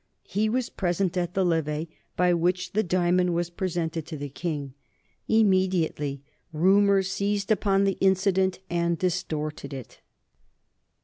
He was present at the Levee at which the diamond was presented to the King. Immediately rumor seized upon the incident and distorted it.